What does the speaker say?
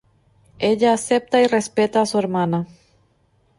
Ella acepta y respeta a su hermana.